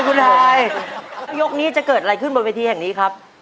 คุณฮายยกนี้จะเกิดอะไรขึ้นบนเวทีแห่งนี้ครับ